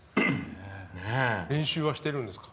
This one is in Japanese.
練習はしてるんですか？